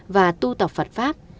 và tu tập phật pháp